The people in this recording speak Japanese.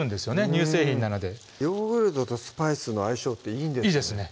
乳製品なのでヨーグルトとスパイスの相性っていいんですね